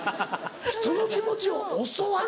人の気持ちを教わる？